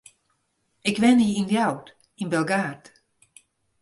Ik wenje yn Ljouwert, yn Bilgaard.